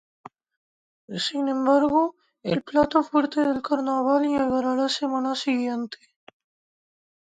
Sin embargo, el plato fuerte del carnaval llegará la semana siguiente.